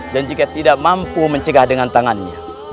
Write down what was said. dan jika tidak mampu mencegah dengan tangannya